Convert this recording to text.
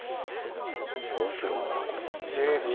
どうするんだろうこれもね難しい。